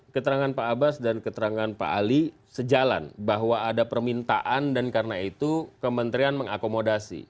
keterangan pak abbas dan keterangan pak ali sejalan bahwa ada permintaan dan karena itu kementerian mengakomodasi